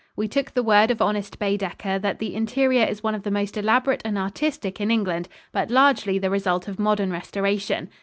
We took the word of honest Baedeker that the interior is one of the most elaborate and artistic in England but largely the result of modern restoration.